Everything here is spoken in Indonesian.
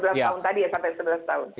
sebelas tahun tadi ya sampai sebelas tahun